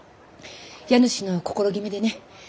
家主の心決めでね。